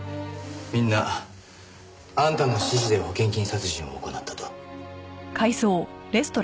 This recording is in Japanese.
みんなあんたの指示で保険金殺人を行ったと。